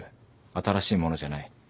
新しいものじゃない。